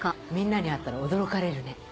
みんなに会ったら驚かれるね。